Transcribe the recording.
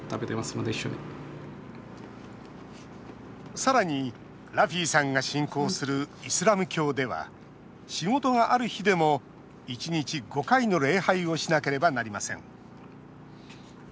さらに、ラフィさんが信仰するイスラム教では仕事がある日でも１日５回の礼拝をしなければなりません